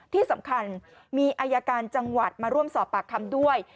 ที่สำคัญมีอายการจังหวัดมาร่วมสอบปากคำด้วย